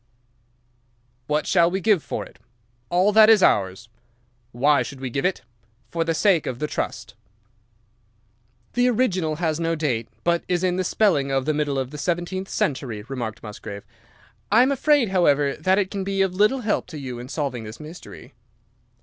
"'What shall we give for it?' "'All that is ours.' "'Why should we give it?' "'For the sake of the trust.' "'The original has no date, but is in the spelling of the middle of the seventeenth century,' remarked Musgrave. 'I am afraid, however, that it can be of little help to you in solving this mystery.